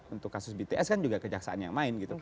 untuk kasus bts kan juga kejaksaan yang main gitu